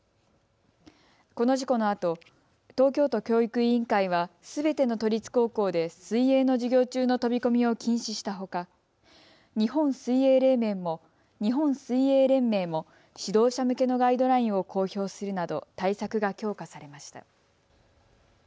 この事故のあと東京都教育委員会はすべての都立高校で水泳の授業中の飛び込みを禁止したほか日本水泳連盟も指導者向けのガイドラインを公表するなど対策が強化されました。